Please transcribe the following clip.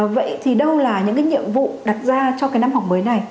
vậy thì đâu là những nhiệm vụ đặt ra cho năm học mới này